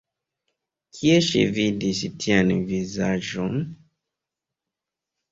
Kie ŝi vidis tian vizaĝon?